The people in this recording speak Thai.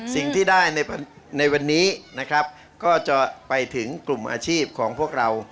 สิ่งที่ได้ในวันนี้นะครับก็จะไปถึงกลุ่มอาชีพของพวกเรา